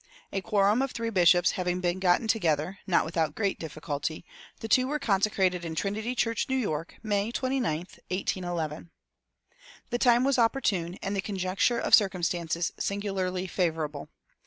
A quorum of three bishops having been gotten together, not without great difficulty, the two were consecrated in Trinity Church, New York, May 29, 1811. The time was opportune and the conjuncture of circumstances singularly favorable.